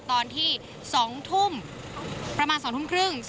ตอนที่๒ทุ่มประมาณ๒ทุ่มครึ่ง